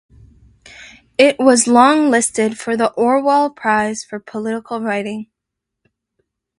It was longlisted for the Orwell Prize for Political Writing.